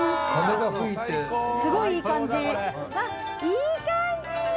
いい感じ。